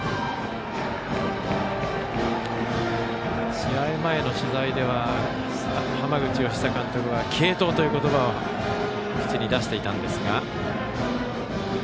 試合前の取材では浜口佳久監督は継投という言葉を口に出していましたが。